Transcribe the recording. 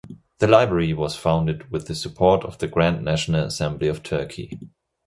The library was founded with the support of the Grand National Assembly of Turkey.